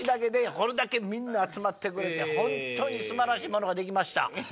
これだけみんな集まってくれて本当に素晴らしいものができました。